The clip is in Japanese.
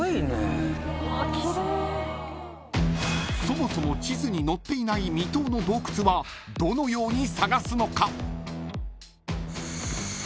［そもそも地図に載っていない未踏の洞窟はどのように探すのか？］